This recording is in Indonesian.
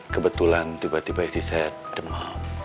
kebetulan tiba tiba istri saya demam